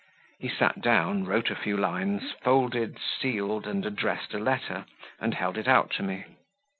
He sat down, wrote a few lines, folded, sealed, and addressed a letter, and held it out to me.